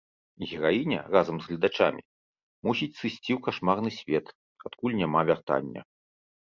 Гераіня, разам з гледачамі, мусіць сысці ў кашмарны свет, адкуль няма вяртання.